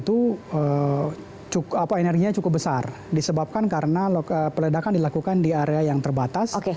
pemuatan di tambang bawah tanah itu energinya cukup besar disebabkan karena peledakan dilakukan di area yang terbatas